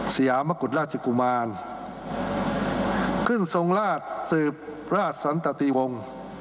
สยามกุฎราชกุมารขึ้นทรงราชสืบราชสันตติวงศ์